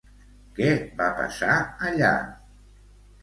Què va passar allà?